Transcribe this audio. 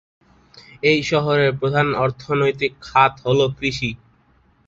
এই শহরের প্রধান অর্থনৈতিক খাত হলো কৃষি।